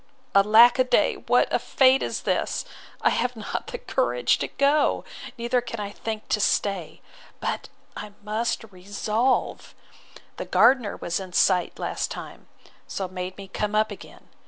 Alack a day! what a fate is this! I have not the courage to go, neither can I think to stay. But I must resolve. The gardener was in sight last time; so made me come up again.